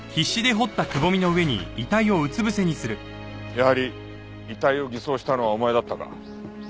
やはり遺体を偽装したのはお前だったか。